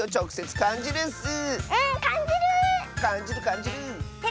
かんじるかんじる！